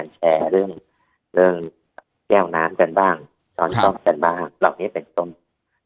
แชร์เล่าด้วยที่แก้วน้ำกันบ้างช้อนทอมกันบ้างรอบนี้เป็นตรงนี้